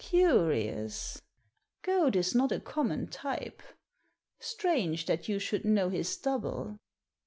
" Curious. Goad is not a common type. Strange that you should know his double."